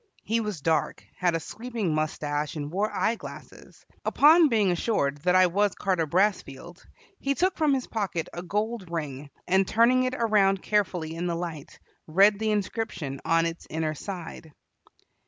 He was dark, had a sweeping mustache, and wore eye glasses. Upon being assured that I was Carter Brassfield, he took from his pocket a gold ring, and, turning it around carefully in the light, read the inscription on its inner side.